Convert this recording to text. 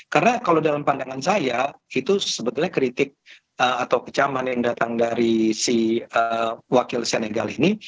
karena kalau dalam pandangan saya itu sebetulnya kritik atau kecaman yang datang dari si wakil senegal ini